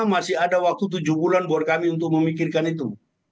masih ada waktu tujuh bulan buat kami untuk memikirkan itu